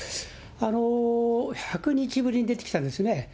１００日ぶりに出てきたんですね。